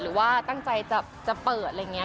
หรือว่าตั้งใจจะเปิดอะไรอย่างนี้